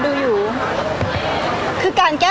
พี่ตอบได้แค่นี้จริงค่ะ